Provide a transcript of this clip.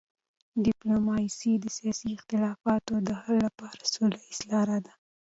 ډیپلوماسي د سیاسي اختلافاتو د حل لپاره سوله ییزه لار ده.